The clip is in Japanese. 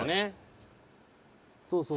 「そうそう」